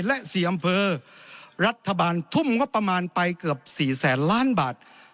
และ๔อำเภอรัฐบาลทุ่มก็ประมาณไปเกือบ๔๐๐๐๐๐๐๐๐บาท